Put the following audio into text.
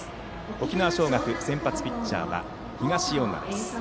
沖縄尚学の先発ピッチャーは東恩納です。